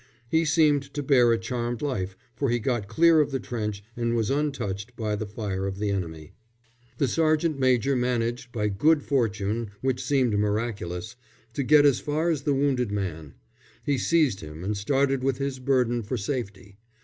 He seemed to bear a charmed life, for he got clear of the trench and was untouched by the fire of the enemy. The sergeant major managed, by good fortune which seemed miraculous, to get as far as the wounded man; he seized him and started with his burden for safety.